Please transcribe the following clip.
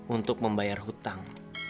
untuk membayar hutang